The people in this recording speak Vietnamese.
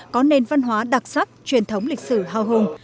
có nền văn hóa đặc sắc truyền thống lịch sử hào hùng